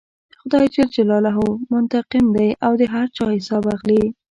خدای جل جلاله منتقم دی او د هر چا حساب اخلي.